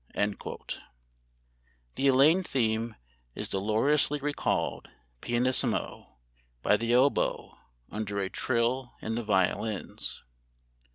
[The Elaine theme is dolorously recalled, pianissimo, by the oboe, under a trill in the violins.